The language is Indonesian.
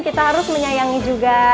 kita harus menyayangi juga